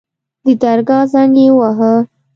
د درګاه زنګ يې وواهه.